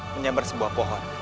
menyambar sebuah pohon